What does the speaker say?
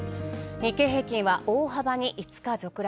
日経平均は大幅に５日続落。